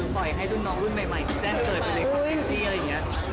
ปล่อยให้รุ่นน้องรุ่นใหม่ที่แจ้งเกิดไปในความเซ็กซี่อะไรอย่างนี้